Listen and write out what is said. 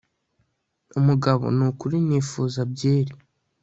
umugabo nukuri nifuza byeri